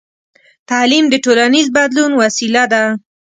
تعلیم د ټولنیز بدلون وسیله ده.